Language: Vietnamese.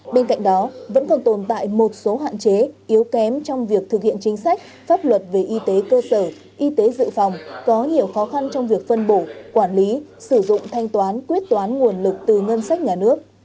bên cạnh đó vẫn còn tồn tại một số hạn chế yếu kém trong việc thực hiện chính sách pháp luật về y tế cơ sở y tế dự phòng có nhiều khó khăn trong việc phân bổ quản lý sử dụng thanh toán quyết toán nguồn lực từ ngân sách nhà nước